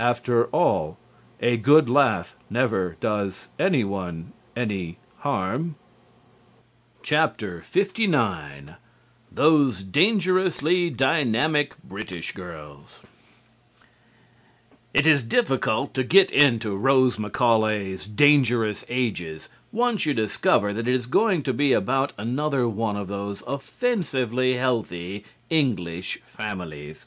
After all, a good laugh never does anyone any harm. LIX THOSE DANGEROUSLY DYNAMIC BRITISH GIRLS It is difficult to get into Rose Macaulay's "Dangerous Ages" once you discover that it is going to be about another one of those offensively healthy English families.